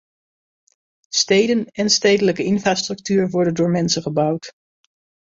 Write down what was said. Steden en stedelijke infrastructuur worden door mensen gebouwd.